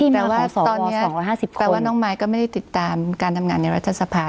แต่ว่าตอนนี้แปลว่าน้องมายก็ไม่ได้ติดตามการทำงานในรัฐสภา